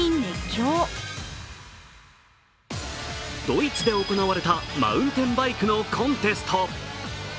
ドイツで行われたマウンテンバイクのコンテスト。